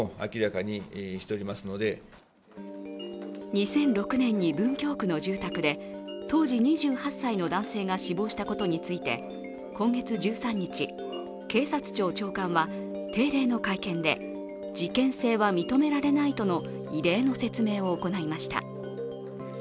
２００６年に文京区の住宅で当時２８歳の男性が死亡したことについて今月１３日、警察庁長官は定例の会見で、事件性は認められないとの異例の説明を行いました。